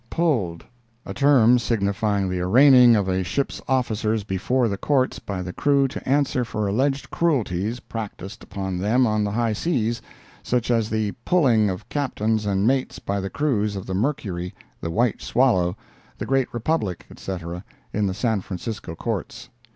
"Pulled"—A term signifying the arraigning of a ship's officers before the Courts by the crew to answer for alleged cruelties practiced upon them on the high seas—such as the "pulling" of captains and mates by the crews of the Mercury, the White Swallow, the Great Republic, etc., in the San Francisco Courts.